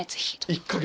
１か月？